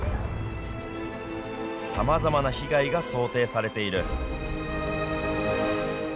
さまざまな被害が想定されている。